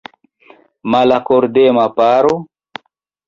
Malakordema paro?